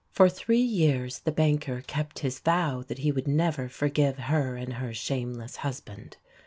For three years the banker kept his vow that he would never forgive her and her shameless husband.